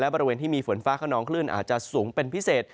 บริเวณที่มีฝนฟ้าขนองคลื่นอาจจะสูงเป็นพิเศษ